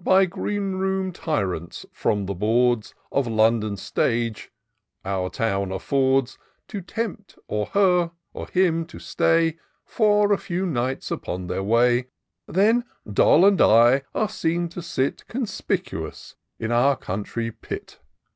By Green Room tyrants, from the boards Of London stage, our town affords To tempt or her or him to stay, For a few nights, upon their way ; Then Doll and I are seen to sit Conspicuous in our coimtry pit.